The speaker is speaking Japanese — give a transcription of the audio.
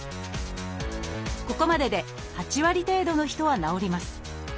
ここまでで８割程度の人は治ります。